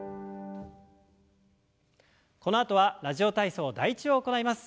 このあとは「ラジオ体操第１」を行います。